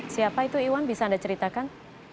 siapa itu iwan bisa anda ceritakan